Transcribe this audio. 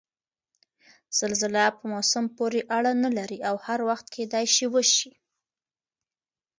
زلزله په موسم پورې اړنه نلري او هر وخت کېدای شي وشي؟